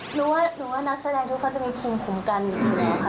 หนูว่านักแสดงทุกคนจะมีคุมกันอยู่แล้วค่ะ